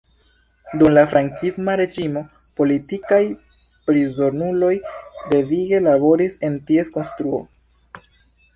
Dum la Frankisma reĝimo, politikaj prizonuloj devige laboris en ties konstruo.